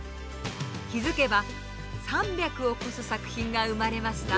気付けば３００を超す作品が生まれました。